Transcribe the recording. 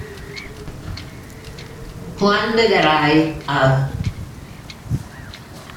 Juan de Garay, Av.